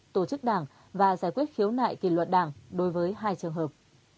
tổ chức đảng và giải quyết khiếu nại kỷ luật đảng đối với hai trường hợp